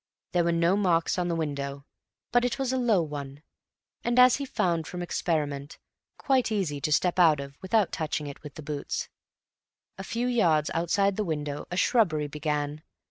There were no marks on the window, but it was a low one, and, as he found from experiment, quite easy to step out of without touching it with the boots. A few yards outside the window a shrubbery began.